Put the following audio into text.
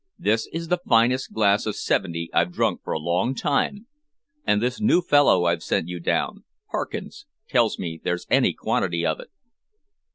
"This is the finest glass of seventy I've drunk for a long time, and this new fellow I've sent you down Parkins tells me there's any quantity of it."